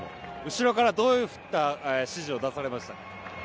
後ろから、どういった指示を出されましたか。